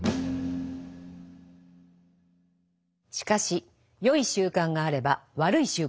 しかしよい習慣があれば悪い習慣もある。